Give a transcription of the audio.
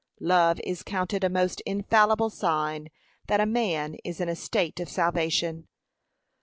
Love is counted a most infallible sign that a man is in a state of salvation.